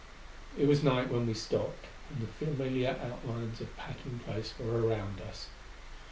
It was night when we stopped and the familiar outlines of Patton Place were around us.